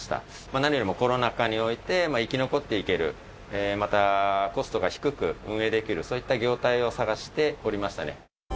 何よりもコロナ禍において生き残っていける、またコストが低く運営できる、そういった業態を探しておりましたね。